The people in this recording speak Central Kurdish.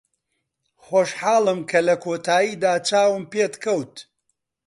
خۆشحاڵم کە لە کۆتاییدا چاوم پێت کەوت.